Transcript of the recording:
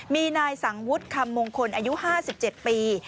มีนายสังวุฒิคำมงคลอายุ๕๗ปี